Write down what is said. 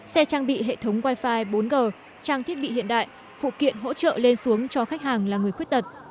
trang bị hệ thống wifi bốn g trang thiết bị hiện đại phụ kiện hỗ trợ lên xuống cho khách hàng là người khuyết tật